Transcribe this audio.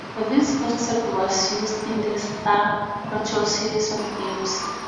This concept was used in the "Star Control" series of games.